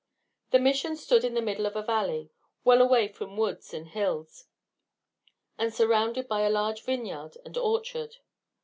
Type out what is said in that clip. The Mission stood in the middle of a valley, well away from woods and hills, and surrounded by a large vineyard and orchard.